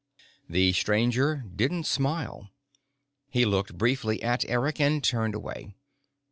The Stranger didn't smile. He looked briefly at Eric and turned away.